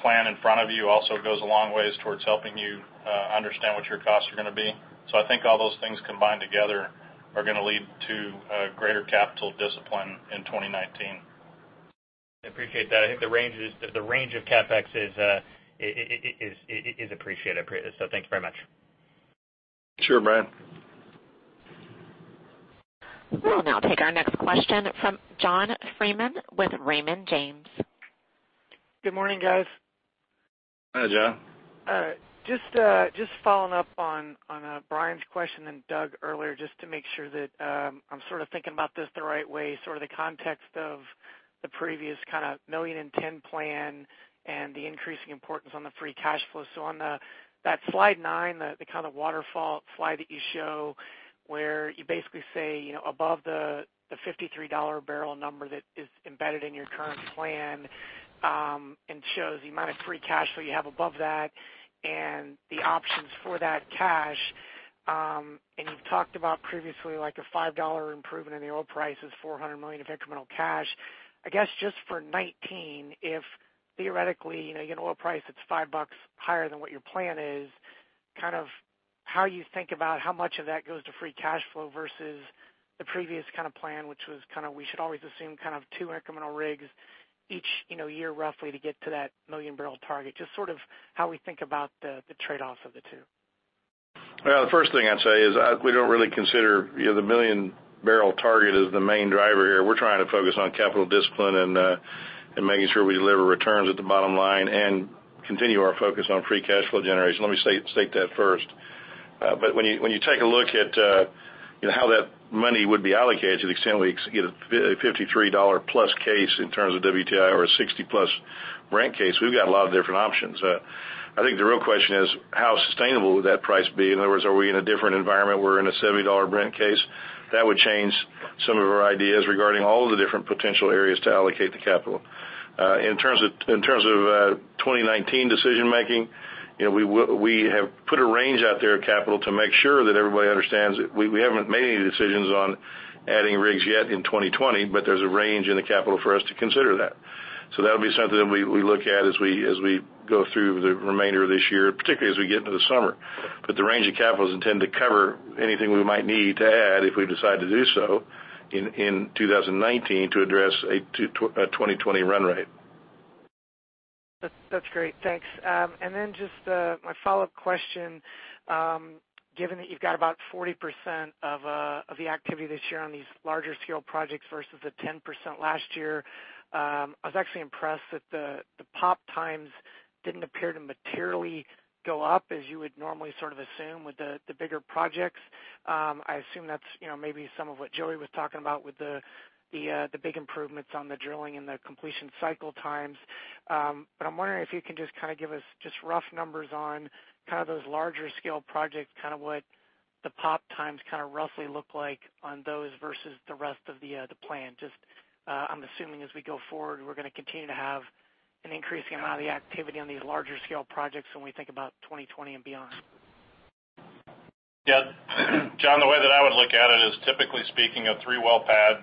plan in front of you also goes a long way towards helping you understand what your costs are going to be. I think all those things combined together are going to lead to greater capital discipline in 2019. I appreciate that. I think the range of CapEx is appreciated. Thank you very much. Sure, Brian. We'll now take our next question from John Freeman with Raymond James. Good morning, guys. Hi, John. All right. Just following up on Brian's question and Doug earlier, just to make sure that I'm thinking about this the right way, the context of the previous kind of Million-and-Ten Plan and the increasing importance on the free cash flow. On that slide nine, the kind of waterfall slide that you show where you basically say above the $53 barrel number that is embedded in your current plan and shows the amount of free cash flow you have above that and the options for that cash. You've talked about previously, like a $5 improvement in the oil price is $400 million of incremental cash. I guess, just for 2019, if theoretically, you get an oil price that's $5 higher than what your plan is, how you think about how much of that goes to free cash flow versus the previous kind of plan, which was we should always assume two incremental rigs each year roughly to get to that million-barrel target. Just how we think about the trade-off of the two. The first thing I'd say is we don't really consider the million-barrel target as the main driver here. We're trying to focus on capital discipline and making sure we deliver returns at the bottom line and continue our focus on free cash flow generation. Let me state that first. When you take a look at how that money would be allocated to the extent we get a $53-plus case in terms of WTI or a $60-plus Brent case, we've got a lot of different options. I think the real question is how sustainable would that price be? In other words, are we in a different environment where we're in a $70 Brent case? That would change some of our ideas regarding all the different potential areas to allocate the capital. In terms of 2019 decision making, we have put a range out there of capital to make sure that everybody understands that we haven't made any decisions on adding rigs yet in 2020, but there's a range in the capital for us to consider that. That'll be something that we look at as we go through the remainder of this year, particularly as we get into the summer. The range of capital is intended to cover anything we might need to add if we decide to do so in 2019 to address a 2020 run rate. That's great. Thanks. Just my follow-up question. Given that you've got about 40% of the activity this year on these larger scale projects versus the 10% last year, I was actually impressed that the POP times didn't appear to materially go up as you would normally assume with the bigger projects. I assume that's maybe some of what Joey was talking about with the big improvements on the drilling and the completion cycle times. I'm wondering if you can just give us just rough numbers on those larger scale projects, what the POP times roughly look like on those versus the rest of the plan. I'm assuming as we go forward, we're going to continue to have an increase in the amount of the activity on these larger scale projects when we think about 2020 and beyond? Yeah. John, the way that I would look at it is typically speaking, a three-well pad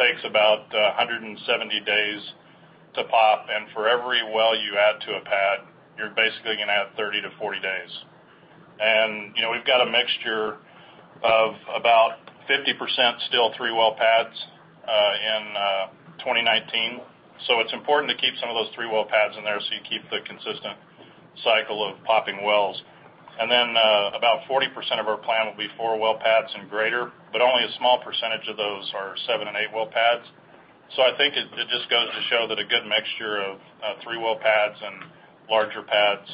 takes about 170 days to POP. For every well you add to a pad, you're basically going to add 30 to 40 days. We've got a mixture of about 50% still three-well pads in 2019. It's important to keep some of those three-well pads in there so you keep the consistent cycle of popping wells. About 40% of our plan will be four-well pads and greater, but only a small percentage of those are seven and eight-well pads. I think it just goes to show that a good mixture of three-well pads and larger pads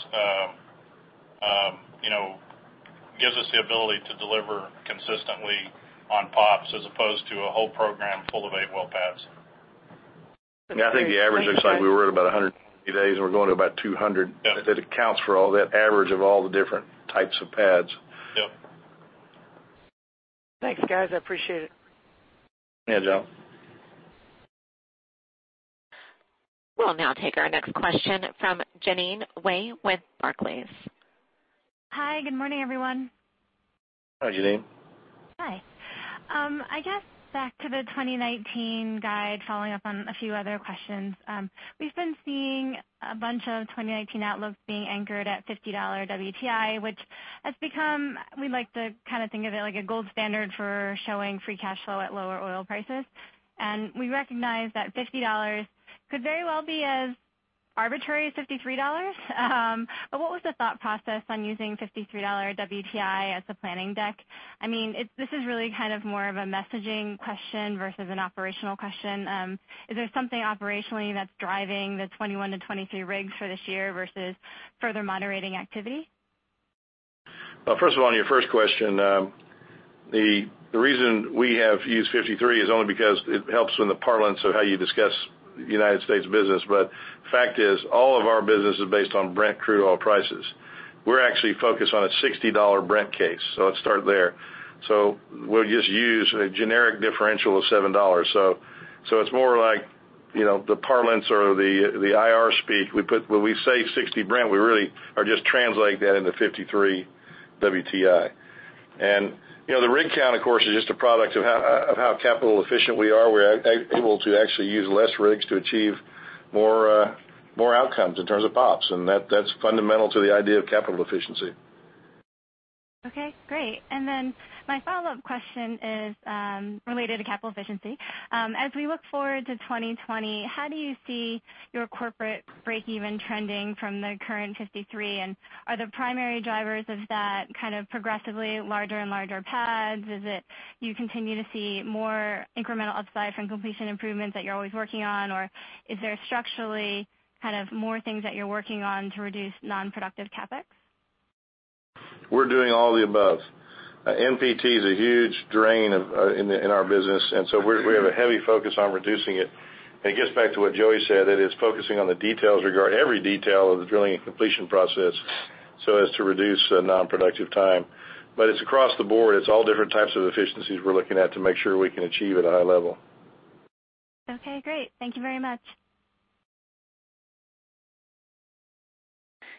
gives us the ability to deliver consistently on POPs as opposed to a whole program full of eight-well pads. Yeah, I think the average looks like we were at about 150 days and we're going to about 200. Yeah. That accounts for all that average of all the different types of pads. Yep. Thanks, guys. I appreciate it. Yeah, John. We'll now take our next question from Jeanine Wai with Barclays. Hi, good morning, everyone. Hi, Jeanine. Hi. I guess back to the 2019 guide, following up on a few other questions. We've been seeing a bunch of 2019 outlooks being anchored at $50 WTI, which has become, we like to think of it like a gold standard for showing free cash flow at lower oil prices. We recognize that $50 could very well be as arbitrary as $53. What was the thought process on using $53 WTI as the planning deck? This is really more of a messaging question versus an operational question. Is there something operationally that's driving the 21-23 rigs for this year versus further moderating activity? Well, first of all, on your first question, the reason we have used $53 is only because it helps in the parlance of how you discuss U.S. business. The fact is, all of our business is based on Brent crude oil prices. We're actually focused on a $60 Brent case, let's start there. We'll just use a generic differential of $7. It's more like the parlance or the IR speak. When we say $60 Brent, we really are just translating that into $53 WTI. The rig count, of course, is just a product of how capital efficient we are. We're able to actually use less rigs to achieve more outcomes in terms of POPs, and that's fundamental to the idea of capital efficiency. Okay, great. My follow-up question is related to capital efficiency. As we look forward to 2020, how do you see your corporate breakeven trending from the current $53, and are the primary drivers of that progressively larger and larger pads? Is it you continue to see more incremental upside from completion improvements that you're always working on, or is there structurally more things that you're working on to reduce non-productive CapEx? We're doing all of the above. NPT is a huge drain in our business. We have a heavy focus on reducing it. It gets back to what Joey said, that it's focusing on the details regard every detail of the drilling and completion process so as to reduce non-productive time. It's across the board. It's all different types of efficiencies we're looking at to make sure we can achieve at a high level. Okay, great. Thank you very much.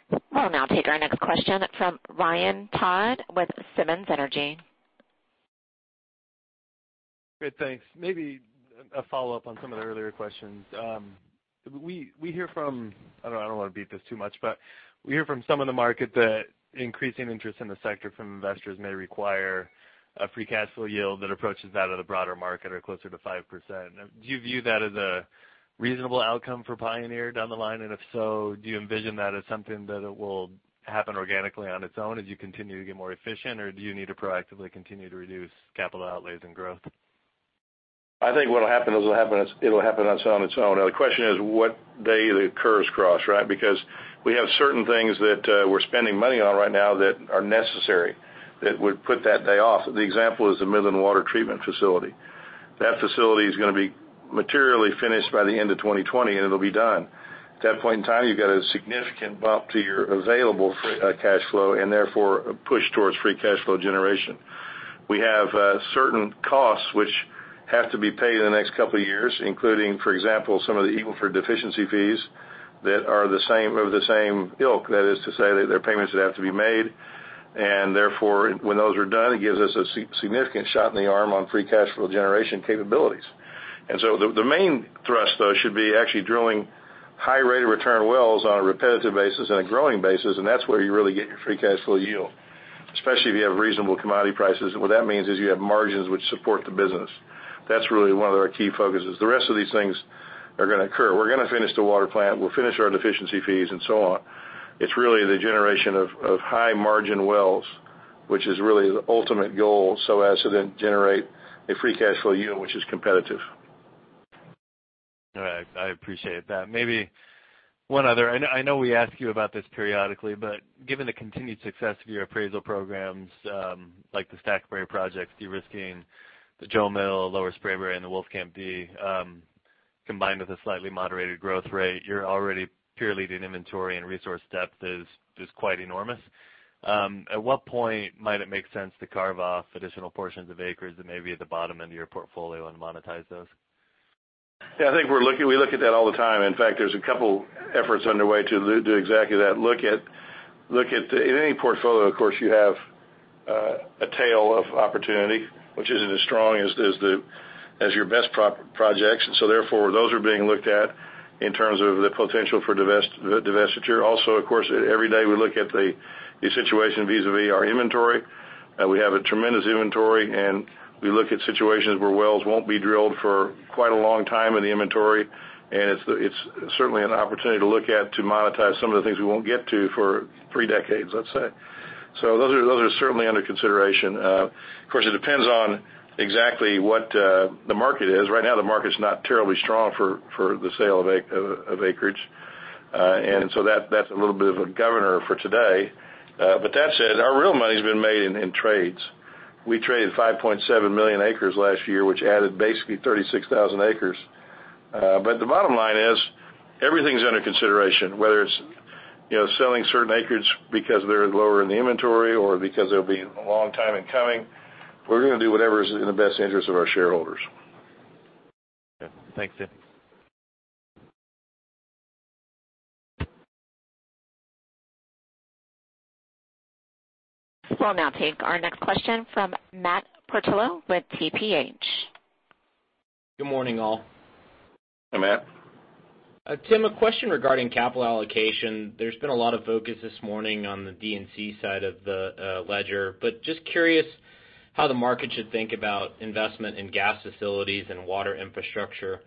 We'll now take our next question from Ryan Todd with Simmons Energy. Great. Thanks. Maybe a follow-up on some of the earlier questions. I don't want to beat this too much. We hear from some of the market that increasing interest in the sector from investors may require a free cash flow yield that approaches that of the broader market or closer to 5%. Do you view that as a reasonable outcome for Pioneer down the line? If so, do you envision that as something that it will happen organically on its own as you continue to get more efficient? Or do you need to proactively continue to reduce capital outlays and growth? I think what will happen is it'll happen on its own. Now the question is, what day the curves cross, right? Because we have certain things that we're spending money on right now that are necessary that would put that day off. The example is the Midland water treatment facility. That facility is going to be materially finished by the end of 2020, and it'll be done. At that point in time, you've got a significant bump to your available free cash flow and therefore a push towards free cash flow generation. We have certain costs which have to be paid in the next couple of years, including, for example, some of the Eagle Ford deficiency fees that are of the same ilk. That is to say that they're payments that have to be made. Therefore, when those are done, it gives us a significant shot in the arm on free cash flow generation capabilities. So the main thrust, though, should be actually drilling high rate of return wells on a repetitive basis and a growing basis. That's where you really get your free cash flow yield, especially if you have reasonable commodity prices. What that means is you have margins which support the business. That's really one of our key focuses. The rest of these things are going to occur. We're going to finish the water plant, we'll finish our deficiency fees, and so on. It's really the generation of high margin wells, which is really the ultimate goal, so as to then generate a free cash flow yield which is competitive. All right. I appreciate that. Maybe one other. I know we ask you about this periodically. Given the continued success of your appraisal programs, like the Stackberry projects de-risking the Jo Mill, Lower Spraberry, and the Wolfcamp D, combined with a slightly moderated growth rate, your already peer-leading inventory and resource depth is quite enormous. At what point might it make sense to carve off additional portions of acres that may be at the bottom end of your portfolio and monetize those? Yeah, I think we look at that all the time. In fact, there's a couple efforts underway to do exactly that. In any portfolio, of course, you have a tail of opportunity, which isn't as strong as your best projects. Therefore, those are being looked at in terms of the potential for divestiture. Also, of course, every day we look at the situation vis-a-vis our inventory. We have a tremendous inventory. We look at situations where wells won't be drilled for quite a long time in the inventory. It's certainly an opportunity to look at to monetize some of the things we won't get to for three decades, let's say. Those are certainly under consideration. Of course, it depends on exactly what the market is. Right now, the market's not terribly strong for the sale of acreage. That's a little bit of a governor for today. That said, our real money's been made in trades. We traded 5.7 million acres last year, which added basically 36,000 acres. The bottom line is, everything's under consideration, whether it's selling certain acreage because they're lower in the inventory or because they'll be a long time in coming. We're going to do whatever is in the best interest of our shareholders. Okay. Thanks, Tim. We'll now take our next question from Matt Portillo with TPH. Good morning, all. Hi, Matt. Tim, a question regarding capital allocation. There's been a lot of focus this morning on the D&C side of the ledger, just curious how the market should think about investment in gas facilities and water infrastructure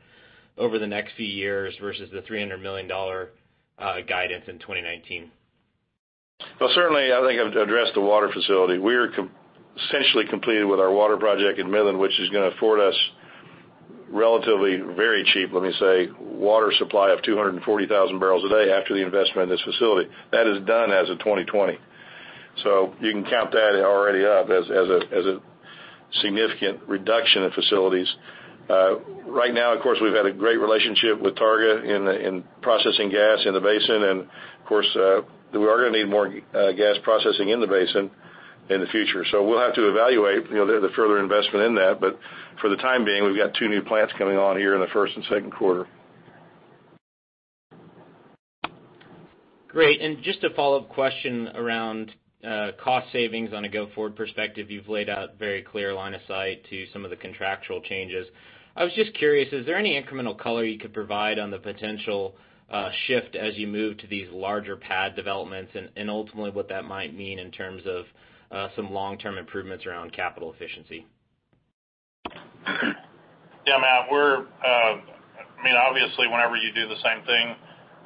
over the next few years versus the $300 million guidance in 2019. Well, certainly, I think I've addressed the water facility. We're essentially completed with our water project in Midland, which is going to afford us relatively very cheap, let me say, water supply of 240,000 barrels a day after the investment in this facility. That is done as of 2020. You can count that already up as a significant reduction in facilities. Right now, of course, we've had a great relationship with Targa in processing gas in the basin. Of course, we are going to need more gas processing in the basin in the future. We'll have to evaluate the further investment in that. For the time being, we've got two new plants coming on here in the first and second quarter. Great. Just a follow-up question around cost savings on a go-forward perspective. You've laid out very clear line of sight to some of the contractual changes. I was just curious, is there any incremental color you could provide on the potential shift as you move to these larger pad developments and ultimately what that might mean in terms of some long-term improvements around capital efficiency? Yeah, Matt, obviously, whenever you do the same thing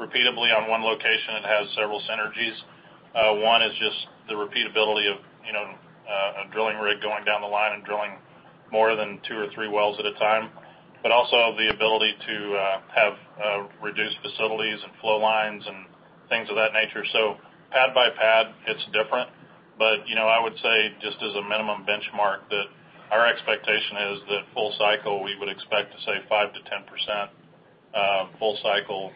repeatedly on one location, it has several synergies. One is just the repeatability of a drilling rig going down the line and drilling more than two or three wells at a time, but also the ability to have reduced facilities and flow lines and things of that nature. Pad by pad, it's different. I would say just as a minimum benchmark that our expectation is that full cycle, we would expect to save 5%-10% full cycle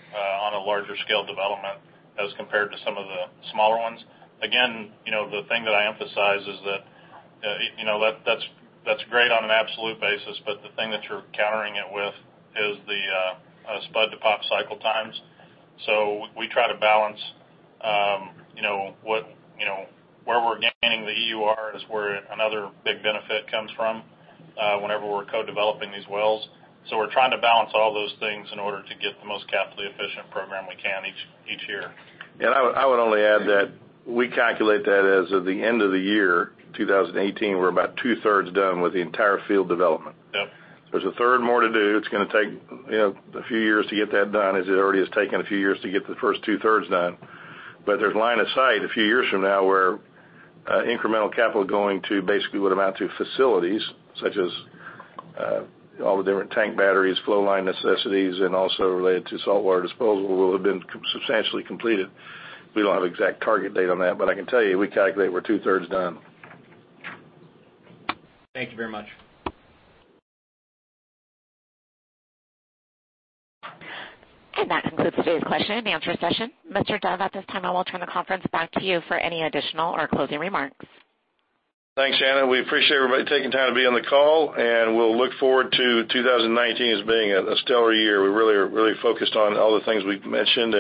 on a larger scale development as compared to some of the smaller ones. Again, the thing that I emphasize is that that's great on an absolute basis, but the thing that you're countering it with is the spud to POP cycle times. We try to balance where we're gaining the EUR is where another big benefit comes from whenever we're co-developing these wells. We're trying to balance all those things in order to get the most capitally efficient program we can each year. I would only add that we calculate that as of the end of the year 2018, we're about two-thirds done with the entire field development. Yep. There's a third more to do. It's going to take a few years to get that done, as it already has taken a few years to get the first two-thirds done. There's line of sight a few years from now where incremental capital going to basically would amount to facilities such as all the different tank batteries, flow line necessities, and also related to saltwater disposal will have been substantially completed. We don't have an exact target date on that, but I can tell you we calculate we're two-thirds done. Thank you very much. That concludes today's question and answer session. Mr. Dove, at this time, I will turn the conference back to you for any additional or closing remarks. Thanks, Anna. We appreciate everybody taking time to be on the call, and we'll look forward to 2019 as being a stellar year. We really are focused on all the things we've mentioned,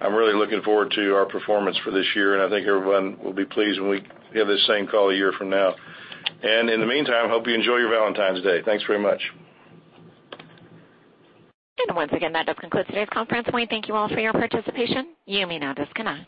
I'm really looking forward to our performance for this year. I think everyone will be pleased when we have this same call a year from now. In the meantime, hope you enjoy your Valentine's Day. Thanks very much. Once again, that does conclude today's conference. We thank you all for your participation. You may now disconnect.